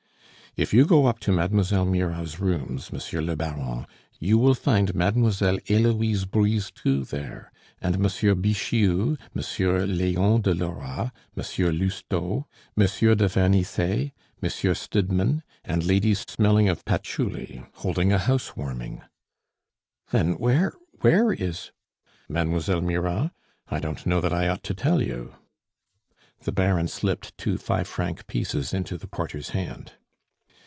"If you go up to Mademoiselle Mirah's rooms, Monsieur le Baron, you will find Mademoiselle Heloise Brisetout there and Monsieur Bixiou, Monsieur Leon de Lora, Monsieur Lousteau, Monsieur de Vernisset, Monsieur Stidmann; and ladies smelling of patchouli holding a housewarming." "Then, where where is ?" "Mademoiselle Mirah? I don't know that I ought to tell you." The Baron slipped two five franc pieces into the porter's hand.